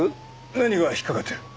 何が引っかかってる？